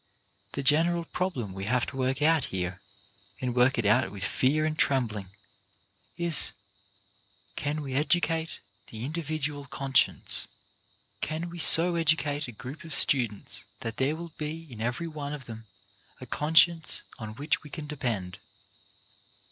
The general problem we have to work out here, and work it out with fear and trembling, is :— Can we educate the indi vidual conscience ? Can we so educate a group of students that there will be in every one of them a conscience on which we can depend.